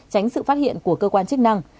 tránh sự phát hiện của cơ quan chức năng